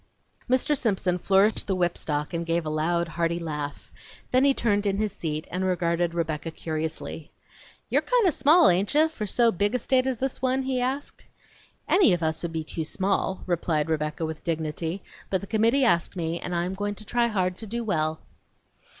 Mr. Simpson flourished the whipstock and gave a loud, hearty laugh. Then he turned in his seat and regarded Rebecca curiously. "You're kind of small, hain't ye, for so big a state as this one?" he asked. "Any of us would be too small," replied Rebecca with dignity, "but the committee asked me, and I am going to try hard to do well."